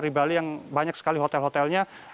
di bali yang banyak sekali hotel hotelnya